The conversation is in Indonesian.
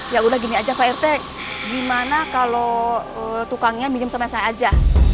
ya udah gini aja pak rete gimana kalo tukangnya minum sama saya aja